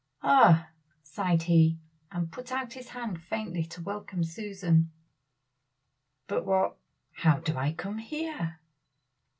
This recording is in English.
"Ah!" sighed he, and put out his hand faintly to welcome Susan; "but what how do I come here?"